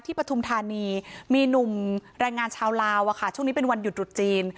ปฐุมธานีมีหนุ่มแรงงานชาวลาวช่วงนี้เป็นวันหยุดจีน